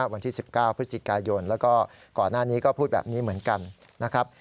วันที่๑๙พฤศจิกายนแล้วก็ก่อนหน้านี้ก็พูดแบบนี้เหมือนกันนะครับ